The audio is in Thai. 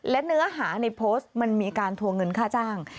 และเนื้อหาในโพสต์มันมีการทวงเงินค่าจ้าง